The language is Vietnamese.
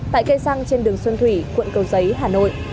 tại cây xăng trên đường xuân thủy quận cầu giấy hà nội